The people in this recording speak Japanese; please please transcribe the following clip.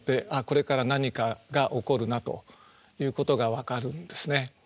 これから何かが起こるなということが分かるんですね。